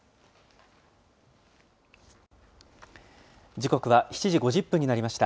時刻は７時５０分になりました。